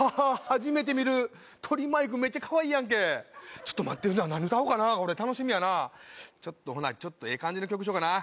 初めて見る鳥マイクメッチャかわいいやんけちょっと待って何歌おうかな楽しみやなちょっとほなええ感じの曲しようかな